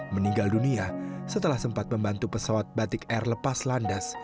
meninggal dunia setelah sempat membantu pesawat batik air lepas landas